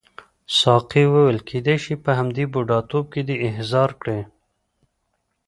ساقي وویل کیدای شي په همدې بوډاتوب کې دې احضار کړي.